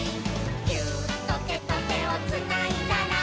「ギューッとてとてをつないだら」